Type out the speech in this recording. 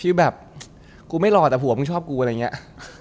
ที่แบบกูไม่หลอดอ่ะผัวมึงชอบกูอะไรอย่างนี้